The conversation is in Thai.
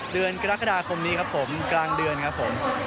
เดือนกรกฎาคมนี้ครับผมกลางเดือนครับผม